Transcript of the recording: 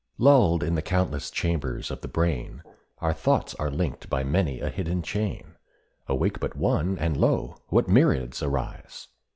] "Lull'd in the countless chambers of the brain, Our thoughts are linked by many a hidden chain. Awake but one, and lo, what myriads rise!